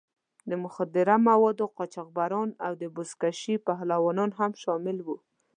د مخدره موادو قاچاقبران او د بزکشۍ پهلوانان هم شامل وو.